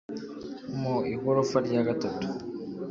mu igorofa rya gatatu